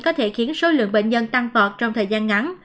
có thể khiến số lượng bệnh nhân tăng vọt trong thời gian ngắn